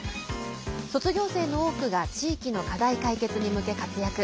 卒業生の多くが地域の課題解決に向け活躍。